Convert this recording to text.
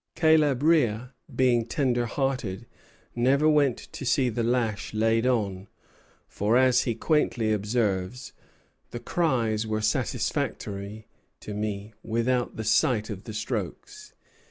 Caleb Rea, being tender hearted, never went to see the lash laid on; for, as he quaintly observes, "the cries were satisfactory to me, without the sight of the strokes."